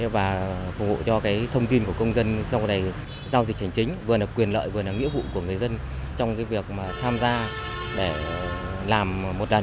và phục vụ cho thông tin của công dân sau này giao dịch hành chính vừa là quyền lợi vừa là nghĩa vụ của người dân trong việc tham gia để làm một lần